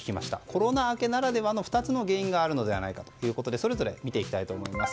コロナ明けならではの２つの原因があるのではということでそれぞれ見ていきたいと思います。